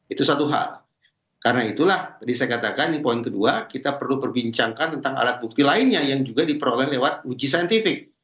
itu satu hal karena itulah tadi saya katakan di poin kedua kita perlu perbincangkan tentang alat bukti lainnya yang juga diperoleh lewat uji saintifik